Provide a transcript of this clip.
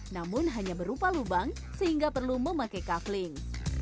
namun hanya berupa lubang sehingga perlu memakai kaveling